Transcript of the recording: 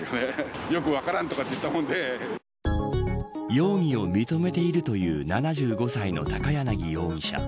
容疑を認めているという７５歳の高柳容疑者。